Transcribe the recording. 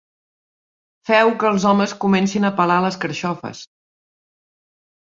Feu que els homes comencin a pelar les carxofes.